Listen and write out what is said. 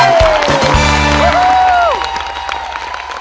วู้